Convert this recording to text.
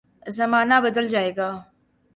زمانہ بدل جائے گا۔